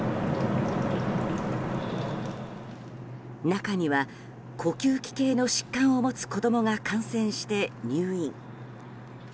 中には呼吸器系の疾患を持つ子供が感染して入院。